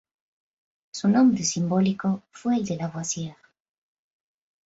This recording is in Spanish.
Su nombre simbólico fue el de Lavoisier.